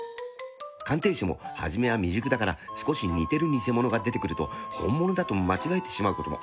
鑑定士も初めは未熟だから少し似てるニセ物が出てくると本物だと間違えてしまうことも。